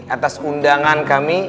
atas undangan kami